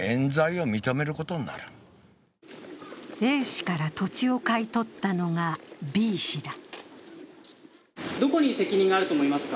Ａ氏から土地を買い取ったのがＢ氏だ。